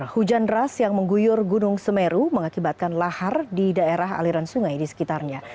hujan deras yang mengguyur gunung semeru mengakibatkan lahar di daerah aliran sungai di sekitarnya